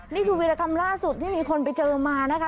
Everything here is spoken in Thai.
นี่คือวิรกรรมล่าสุดที่มีคนไปเจอมานะคะ